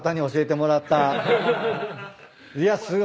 いやすごい。